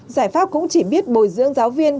giải pháp cũng chỉ biết bồi dưỡng giáo viên